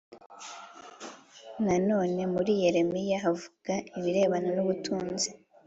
Nanone muri Yeremiya havuga ibirebana n’ ubutunzi